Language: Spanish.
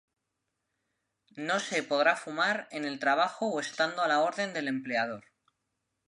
No se podrá fumar en el trabajo o estando a la orden del empleador.